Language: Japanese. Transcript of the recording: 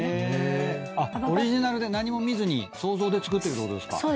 オリジナルで何も見ずに想像で作ってるってことですか？